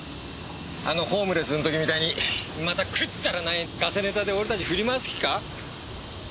あのホームレスの時みたいにまたくっだらないガセネタで俺たち振り回す気か？